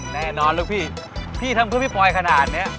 แน่นอนลูกพี่พี่ทำเพื่อพี่ปอยขนาดนี้